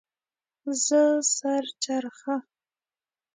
زه سر چرخه